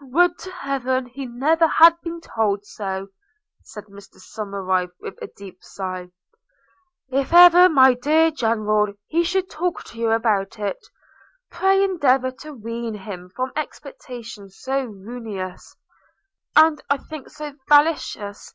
'O! would to heaven he never had been told so!' said Mr Somerive with a deep sigh. 'If ever, my dear General, he should talk to you about it, pray endeavour to wean him from expectations so ruinous, and, I think, so fallacious.